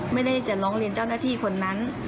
ไม่ได้จะร้องเรียนเจ้าหน้าที่คนนั้น